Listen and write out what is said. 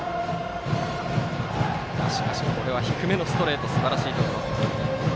しかし、ここは低めのストレートすばらしかった。